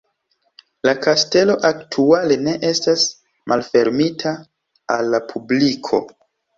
La kastelo aktuale ne estas malfermita al la publiko.